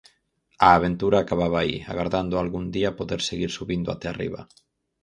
A aventura acababa aí, agardando a algún día poder seguir subindo até arriba.